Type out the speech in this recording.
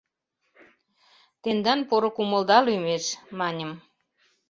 Тендан поро кумылда лӱмеш, — маньым.